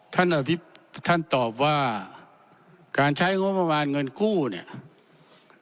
ท่านอภิปท่านตอบว่าการใช้งบประมาณเงินกู้เนี่ย